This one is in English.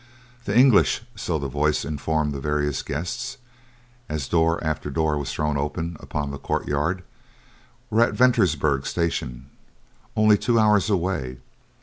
The English, so the voice informed the various guests, as door after door was thrown open upon the court yard, were at Ventersburg Station, only two hours away.